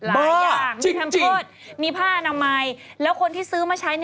หลายอย่างมีแพมเพิร์ตมีผ้าอนามัยแล้วคนที่ซื้อมาใช้